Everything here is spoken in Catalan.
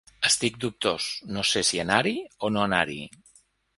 Estic dubtós: no sé si anar-hi o no anar-hi.